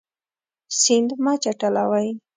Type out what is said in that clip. سیند مه چټلوئ.